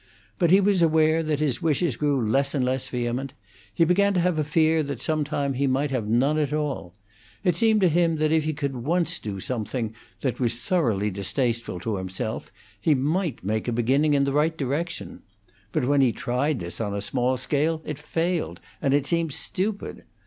But he was aware that his wishes grew less and less vehement; he began to have a fear that some time he might have none at all. It seemed to him that if he could once do something that was thoroughly distasteful to himself, he might make a beginning in the right direction; but when he tried this on a small scale, it failed, and it seemed stupid.